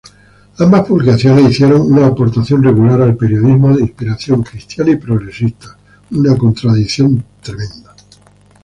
Ambas publicaciones hicieron una aportación regular al periodismo de inspiración cristiana y progresista.